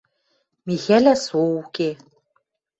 Михӓлӓ со уке